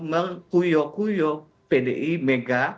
mengkuyok kuyok pdi mega